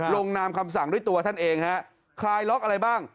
ลงนามคำสั่งด้วยตัวท่านเองฮะคลายล็อกอะไรบ้าง